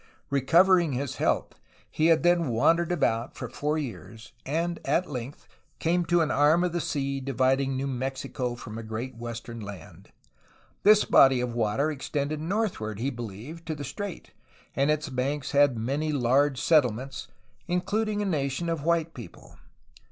Recovering his health he had then wandered about for four years, and at length came to an arm of the sea dividing New Mexico from a great western land. This body of water extended northward, he believed, to the strait, and its banks had many large settlements, including a nation of white people.